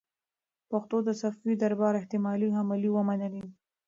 پښتنو د صفوي دربار احتمالي حملې ومنلې.